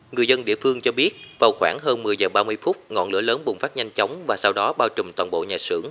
người dân địa phương cho biết vào khoảng hơn một mươi h ba mươi phút ngọn lửa lớn bùng phát nhanh chóng và sau đó bao trùm toàn bộ nhà xưởng